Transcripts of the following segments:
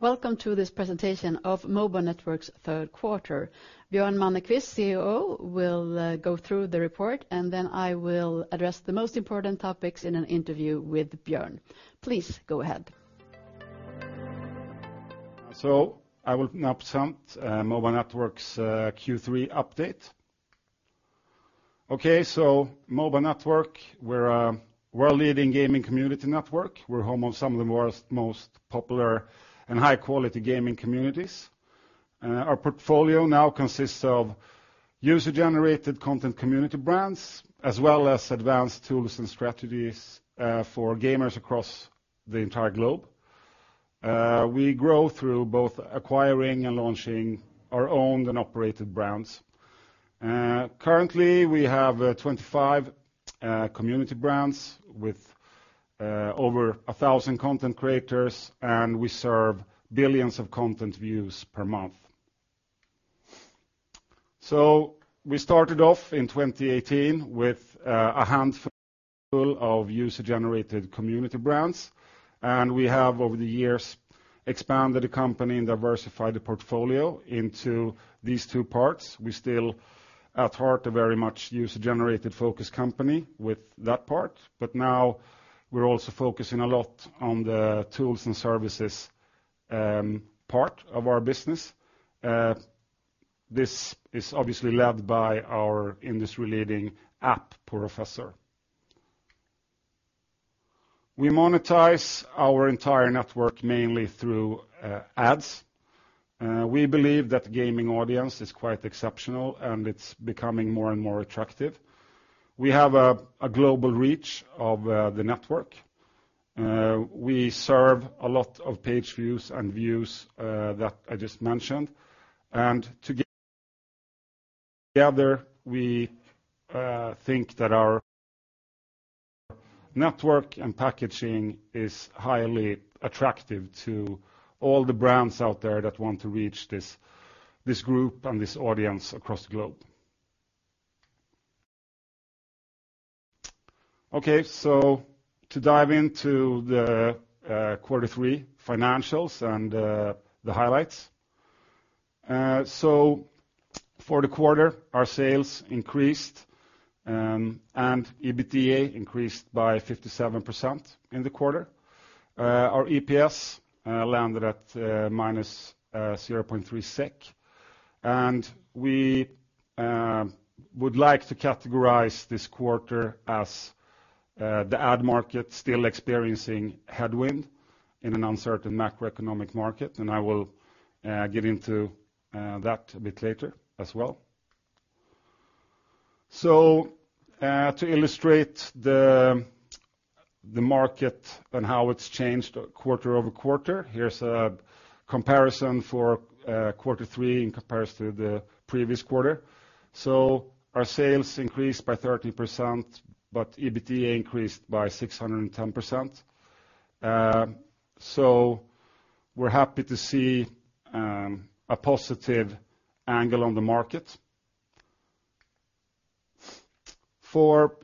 Welcome to this presentation of M.O.B.A. Network's Third Quarter. Björn Mannerqvist, CEO, will go through the report, and then I will address the most important topics in an interview with Björn. Please go ahead. So I will now present M.O.B.A. Network's Q3 update. Okay, so M.O.B.A. Network, we're a world-leading gaming community network. We're home of some of the world's most popular and high-quality gaming communities. Our portfolio now consists of user-generated content community brands, as well as advanced tools and strategies for gamers across the entire globe. We grow through both acquiring and launching our owned and operated brands. Currently, we have 25 community brands with over 1,000 content creators, and we serve billions of content views per month. So we started off in 2018 with a handful of user-generated community brands, and we have, over the years, expanded the company and diversified the portfolio into these two parts. We still, at heart, a very much user-generated focused company with that part, but now we're also focusing a lot on the tools and services, part of our business. This is obviously led by our industry-leading app, Porofessor. We monetize our entire network mainly through ads. We believe that the gaming audience is quite exceptional, and it's becoming more and more attractive. We have a global reach of the network. We serve a lot of page views and views that I just mentioned, and together we think that our network and packaging is highly attractive to all the brands out there that want to reach this group and this audience across the globe. Okay, so to dive into the quarter three financials and the highlights. So for the quarter, our sales increased, and EBITDA increased by 57% in the quarter. Our EPS landed at -0.3 SEK, and we would like to categorize this quarter as the ad market still experiencing headwind in an uncertain macroeconomic market, and I will get into that a bit later as well. So to illustrate the market and how it's changed quarter-over-quarter, here's a comparison for quarter three in comparison to the previous quarter. So our sales increased by 30%, but EBITDA increased by 610%. So we're happy to see a positive angle on the market. For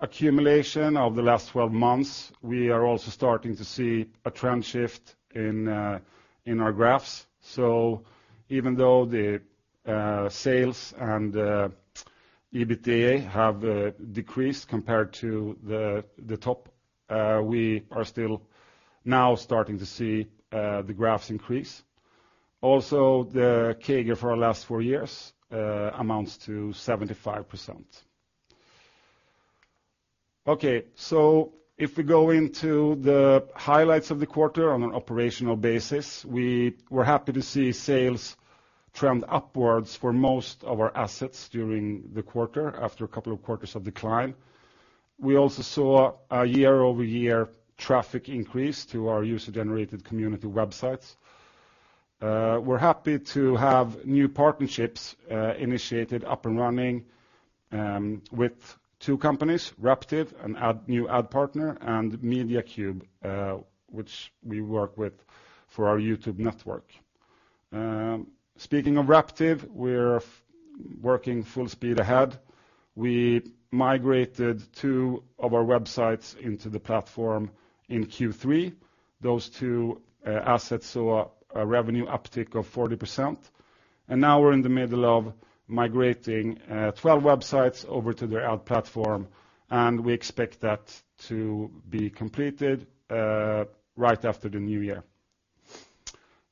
accumulation of the last 12 months, we are also starting to see a trend shift in our graphs. So even though the sales and EBITDA have decreased compared to the top, we are still now starting to see the graphs increase. Also, the CAGR for our last four years amounts to 75%. Okay, so if we go into the highlights of the quarter on an operational basis, we were happy to see sales trend upwards for most of our assets during the quarter after a couple of quarters of decline. We also saw a year-over-year traffic increase to our user-generated community websites. We're happy to have new partnerships initiated, up and running, with two companies, Raptive, an ad new ad partner, and Mediacube, which we work with for our YouTube network. Speaking of Raptive, we're working full speed ahead. We migrated two of our websites into the platform in Q3. Those two assets saw a revenue uptick of 40%, and now we're in the middle of migrating 12 websites over to their ad platform, and we expect that to be completed right after the new year.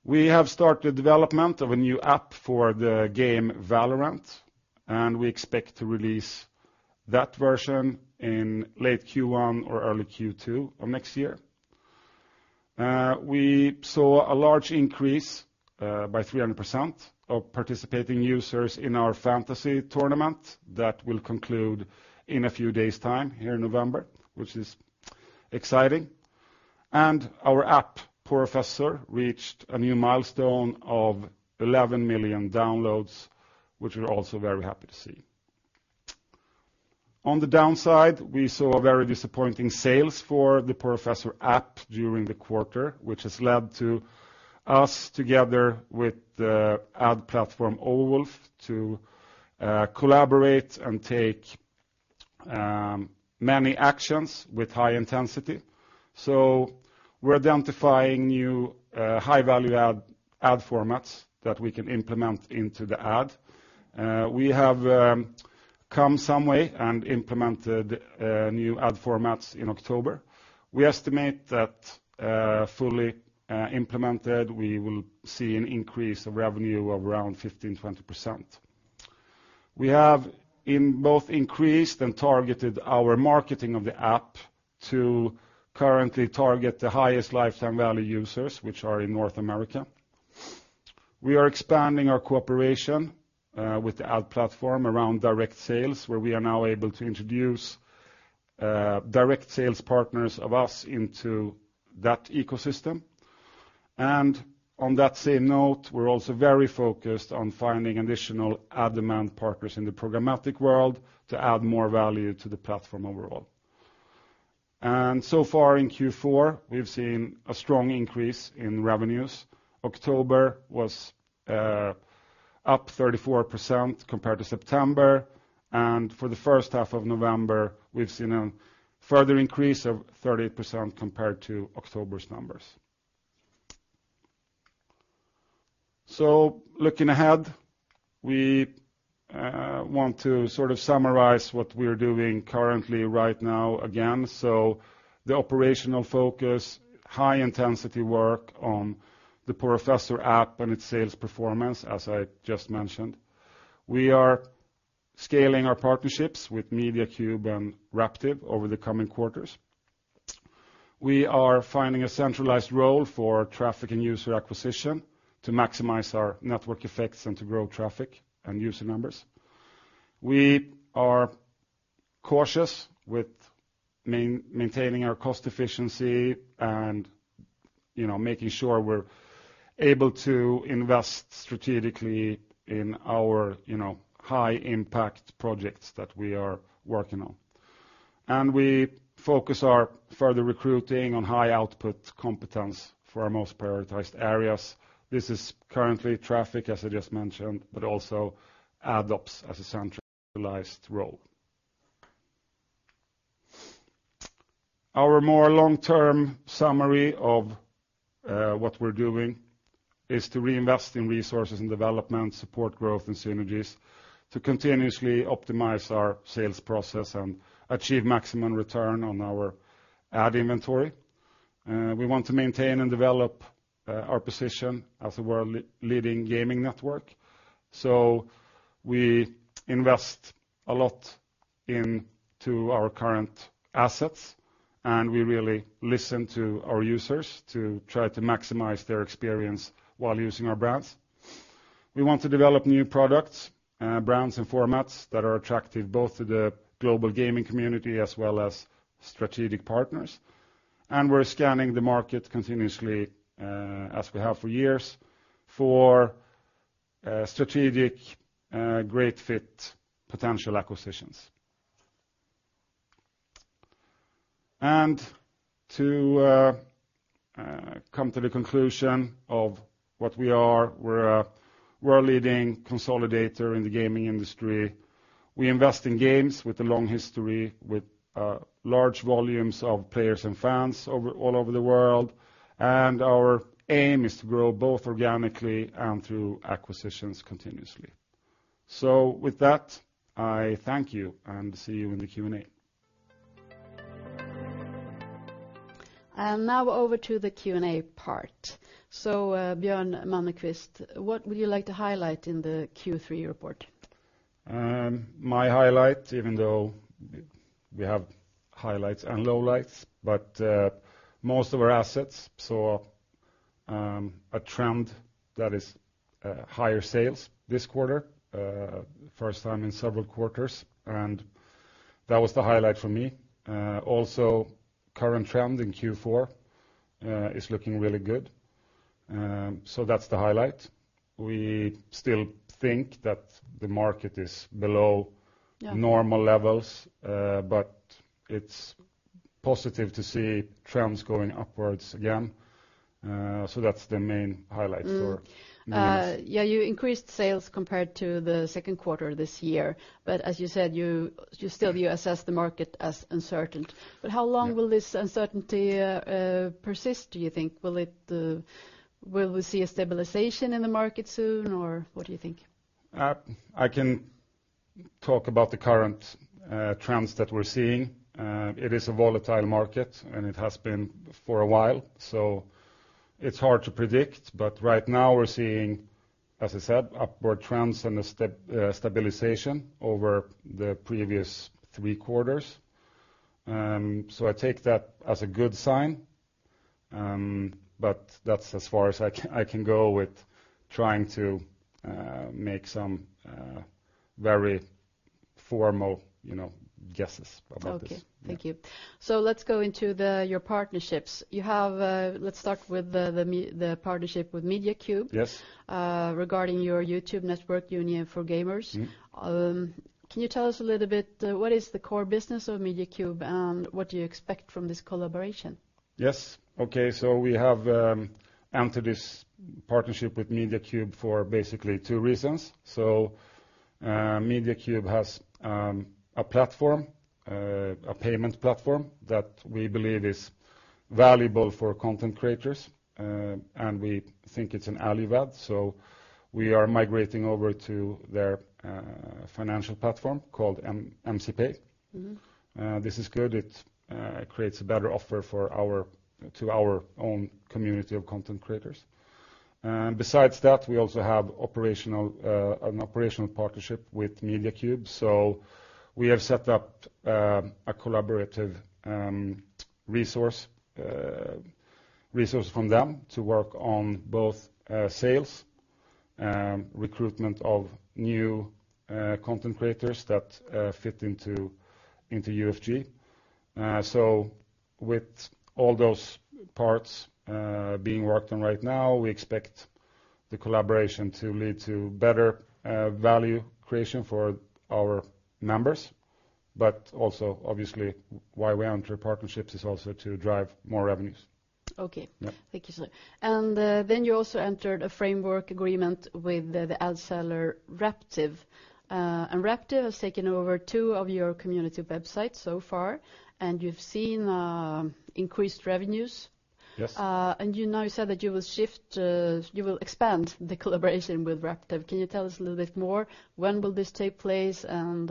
We have started development of a new app for the game VALORANT, and we expect to release that version in late Q1 or early Q2 of next year. We saw a large increase by 300% of participating users in our fantasy tournament. That will conclude in a few days time, here in November, which is exciting. And our app, Porofessor, reached a new milestone of 11 million downloads, which we're also very happy to see. On the downside, we saw very disappointing sales for the Porofessor app during the quarter, which has led to us, together with the ad platform Overwolf, to collaborate and take many actions with high intensity. So we're identifying new high-value ad formats that we can implement into the ad. We have come some way and implemented new ad formats in October. We estimate that fully implemented, we will see an increase of revenue of around 15%-20%. We have in both increased and targeted our marketing of the app to currently target the highest lifetime value users, which are in North America. We are expanding our cooperation with the ad platform around direct sales, where we are now able to introduce direct sales partners of us into that ecosystem. And on that same note, we're also very focused on finding additional ad demand partners in the programmatic world to add more value to the platform overall. And so far in Q4, we've seen a strong increase in revenues. October was up 34% compared to September, and for the first half of November, we've seen a further increase of 38% compared to October's numbers. So looking ahead, we want to sort of summarize what we're doing currently right now again. So the operational focus, high intensity work on the Porofessor app and its sales performance, as I just mentioned. We are scaling our partnerships with Mediacube and Raptive over the coming quarters. We are finding a centralized role for traffic and user acquisition to maximize our network effects and to grow traffic and user numbers. We are cautious with maintaining our cost efficiency and, you know, making sure we're able to invest strategically in our, you know, high-impact projects that we are working on. We focus our further recruiting on high output competence for our most prioritized areas. This is currently traffic, as I just mentioned, but also AdOps as a centralized role. Our more long-term summary of what we're doing is to reinvest in resources and development, support growth and synergies, to continuously optimize our sales process and achieve maximum return on our ad inventory. We want to maintain and develop our position as a world leading gaming network. We invest a lot into our current assets, and we really listen to our users to try to maximize their experience while using our brands. We want to develop new products, brands and formats that are attractive both to the global gaming community as well as strategic partners. We're scanning the market continuously, as we have for years, for strategic great fit potential acquisitions. And to come to the conclusion of what we are, we're a world-leading consolidator in the gaming industry. We invest in games with a long history, with large volumes of players and fans all over the world, and our aim is to grow both organically and through acquisitions continuously. So with that, I thank you, and see you in the Q&A. Now over to the Q&A part. So, Björn Mannerqvist, what would you like to highlight in the Q3 report? My highlight, even though we have highlights and lowlights, but, most of our assets saw a trend that is higher sales this quarter, first time in several quarters, and that was the highlight for me. Also, current trend in Q4 is looking really good. So that's the highlight. We still think that the market is below normal levels, but it's positive to see trends going upwards again. So that's the main highlight for me. Yeah, you increased sales compared to the second quarter this year, but as you said, you still assess the market as uncertain. How long will this uncertainty persist, do you think? Will we see a stabilization in the market soon, or what do you think? I can talk about the current trends that we're seeing. It is a volatile market, and it has been for a while, so it's hard to predict. But right now we're seeing, as I said, upward trends and a step stabilization over the previous three quarters. So I take that as a good sign. But that's as far as I can go with trying to make some very formal, you know, guesses about this. Okay. Thank you. Let's go into your partnerships. You have, let's start with the partnership with Mediacube. Yes. Regarding your YouTube network, Union for Gamers. Mm-hmm. Can you tell us a little bit, what is the core business of Mediacube, and what do you expect from this collaboration? Yes. Okay. So we have entered this partnership with Mediacube for basically two reasons. So, Mediacube has a platform, a payment platform that we believe is valuable for content creators. And we think it's an value add, so we are migrating over to their financial platform called MC Pay. Mm-hmm. This is good. It creates a better offer to our own community of content creators. And besides that, we also have an operational partnership with Mediacube. So we have set up a collaborative resource from them to work on both sales recruitment of new content creators that fit into UFG. So with all those parts being worked on right now, we expect the collaboration to lead to better value creation for our members, but also, obviously, why we enter partnerships is also to drive more revenues. Okay. Yeah. Thank you, sir. Then you also entered a framework agreement with the ad seller, Raptive. Raptive has taken over two of your community websites so far, and you've seen increased revenues? Yes. You now said that you will shift, you will expand the collaboration with Raptive. Can you tell us a little bit more? When will this take place, and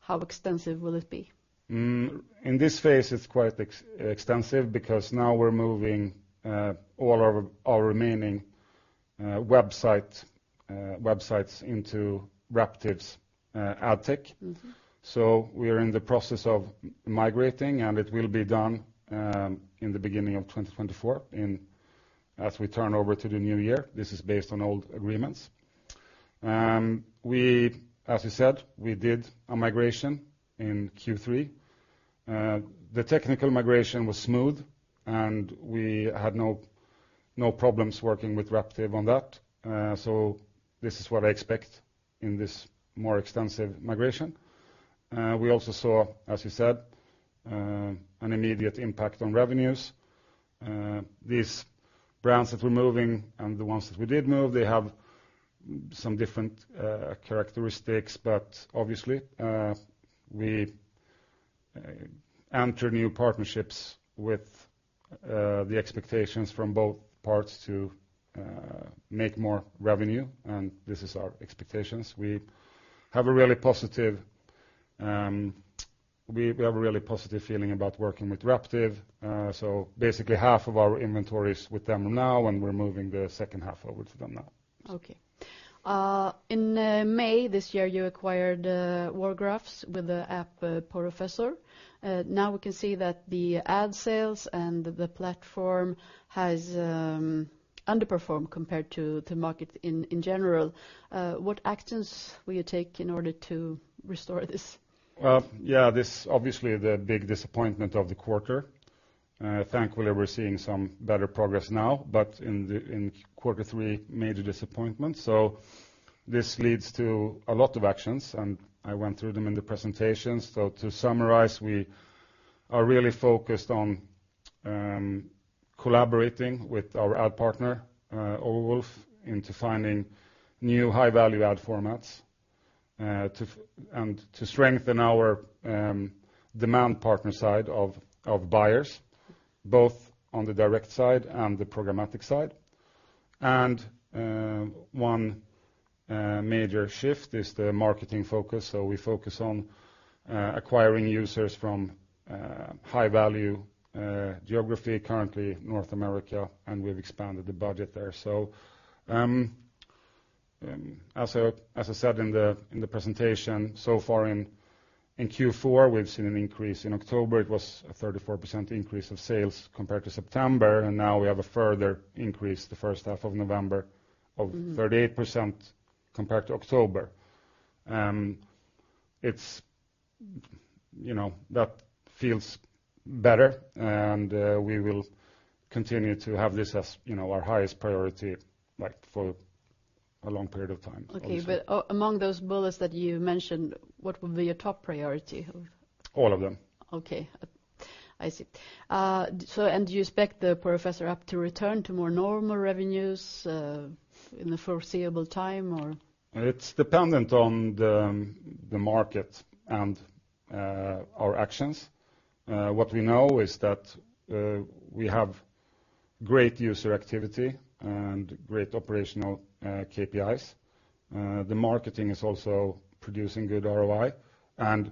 how extensive will it be? In this phase, it's quite extensive, because now we're moving all our remaining websites into Raptive's ad tech. Mm-hmm. So we are in the process of migrating, and it will be done in the beginning of 2024, as we turn over to the new year. This is based on old agreements. We, as you said, we did a migration in Q3. The technical migration was smooth, and we had no problems working with Raptive on that. So this is what I expect in this more extensive migration. We also saw, as you said, an immediate impact on revenues. These brands that we're moving and the ones that we did move, they have some different characteristics, but obviously, we enter new partnerships with the expectations from both parts to make more revenue, and this is our expectations. We have a really positive feeling about working with Raptive. So basically, half of our inventory is with them now, and we're moving the second half over to them now. Okay. In May this year, you acquired Wargraphs with the app Porofessor. Now we can see that the ad sales and the platform has underperformed compared to the market in general. What actions will you take in order to restore this? Well, yeah, this obviously the big disappointment of the quarter. Thankfully, we're seeing some better progress now, but in quarter three, major disappointment. So this leads to a lot of actions, and I went through them in the presentation. So to summarize, we are really focused on collaborating with our ad partner Overwolf into finding new high-value ad formats to find and to strengthen our demand partner side of buyers, both on the direct side and the programmatic side. And one major shift is the marketing focus, so we focus on acquiring users from high-value geography, currently North America, and we've expanded the budget there. So as I said in the presentation, so far in Q4, we've seen an increase. In October, it was a 34% increase of sales compared to September, and now we have a further increase, the first half of November, of 38% compared to October. It's, you know, that feels better, and we will continue to have this as, you know, our highest priority, like, for a long period of time. Okay. But among those bullets that you mentioned, what would be your top priority? All of them. Okay. I see. So and do you expect the Porofessor app to return to more normal revenues, in the foreseeable time, or? It's dependent on the market and our actions. What we know is that we have great user activity and great operational KPIs. The marketing is also producing good ROI, and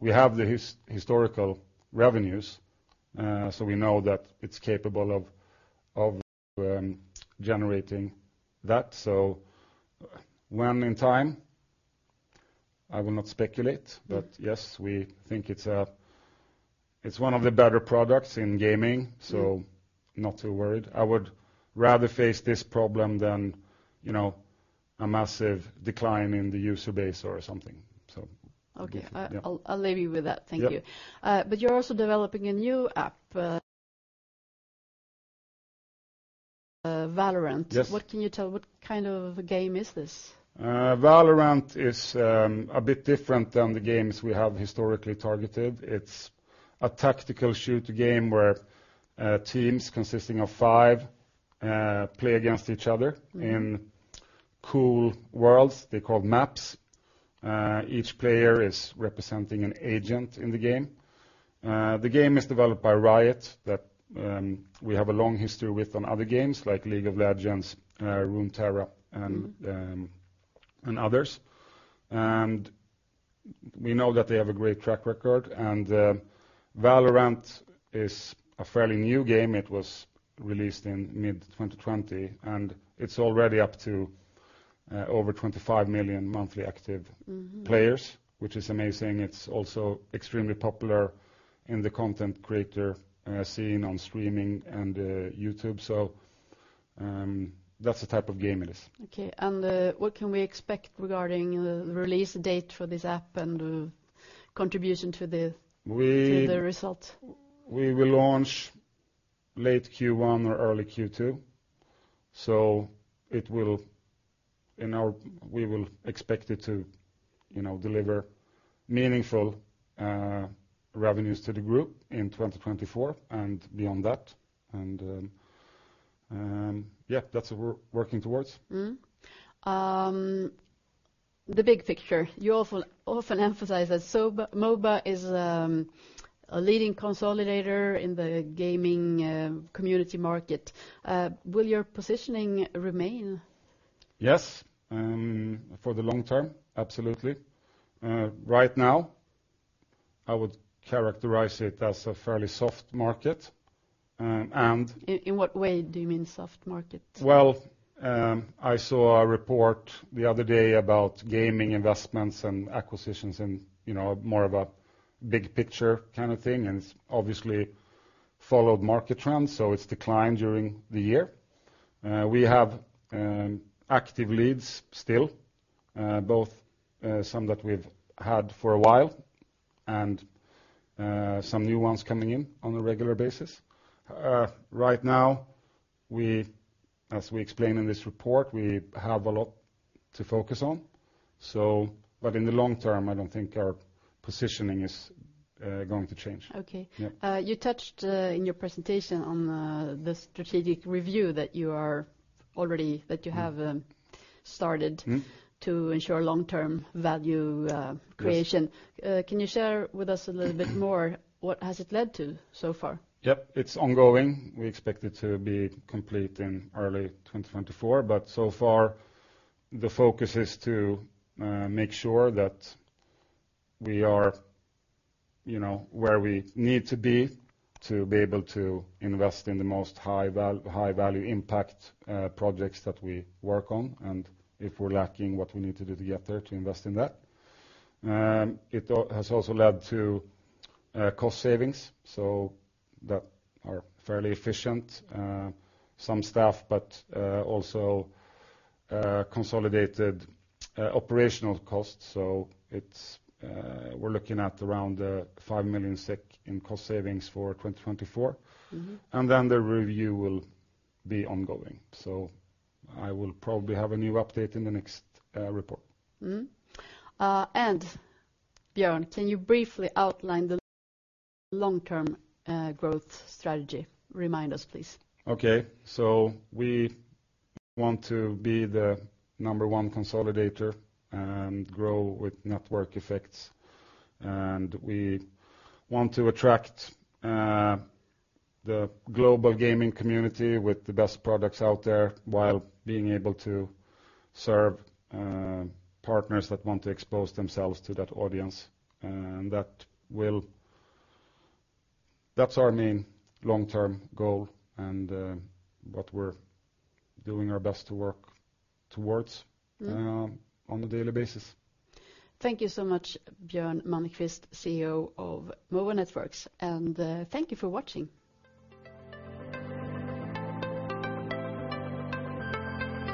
we have the historical revenues, so we know that it's capable of generating that. So when in time, I will not speculate, but yes, we think it's one of the better products in gaming. So not too worried. I would rather face this problem than, you know, a massive decline in the user base or something. So- Okay. Yeah. I'll leave you with that. Thank you. Yeah. But you're also developing a new app, VALORANT. Yes. What can you tell? What kind of a game is this? VALORANT is a bit different than the games we have historically targeted. It's a tactical shooter game where teams consisting of five play against each other in cool worlds. They're called maps. Each player is representing an agent in the game. The game is developed by Riot, that we have a long history with on other games like League of Legends, Runeterra, and others. And we know that they have a great track record, and VALORANT is a fairly new game. It was released in mid-2020, and it's already up to over 25 million monthly active players, which is amazing. It's also extremely popular in the content creator scene on streaming and YouTube. So, that's the type of game it is. Okay, and what can we expect regarding the release date for this app and contribution to the to the result? We will launch late Q1 or early Q2, so it will. We will expect it to, you know, deliver meaningful revenues to the group in 2024 and beyond that. Yeah, that's what we're working towards. Mm-hmm. The big picture. You often, often emphasize that M.O.B.A. is a leading consolidator in the gaming community market. Will your positioning remain? Yes, for the long term, absolutely. Right now, I would characterize it as a fairly soft market, and... In what way do you mean soft market? Well, I saw a report the other day about gaming investments and acquisitions and, you know, more of a big picture kind of thing, and obviously followed market trends, so it's declined during the year. We have active leads still, both some that we've had for a while and some new ones coming in on a regular basis. Right now, we, as we explained in this report, we have a lot to focus on. So but in the long term, I don't think our positioning is going to change. Okay. Yeah. You touched in your presentation on the strategic review that you have started to ensure long-term value creation. Can you share with us a little bit more, what has it led to so far? Yep. It's ongoing. We expect it to be complete in early 2024, but so far, the focus is to make sure that we are, you know, where we need to be, to be able to invest in the most high value impact projects that we work on, and if we're lacking, what we need to do to get there to invest in that. It also has led to cost savings, so that are fairly efficient, some staff, but also consolidated operational costs. So it's we're looking at around 5 million in cost savings for 2024. Mm-hmm. Then the review will be ongoing. I will probably have a new update in the next report. Mm-hmm. And Björn, can you briefly outline the long-term growth strategy? Remind us, please. Okay. So we want to be the number one consolidator and grow with network effects, and we want to attract the global gaming community with the best products out there, while being able to serve partners that want to expose themselves to that audience. And that will-- that's our main long-term goal, and what we're doing our best to work towards on a daily basis. Thank you so much, Björn Mannerqvist, CEO of M.O.B.A. Network, and thank you for watching.